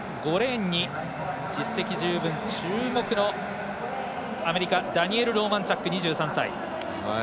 ５レーンに実績十分注目のアメリカダニエル・ローマンチャック２３歳。